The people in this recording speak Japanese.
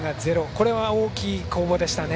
これは大きい攻防でしたね。